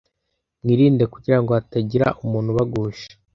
Mwirinde kugira ngo hatagira umuntu ubagusha